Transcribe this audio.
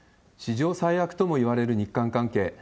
史上最悪ともいわれる日韓関係。